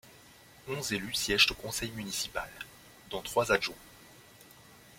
Onze élus siègent au conseil municipal, dont trois adjoints.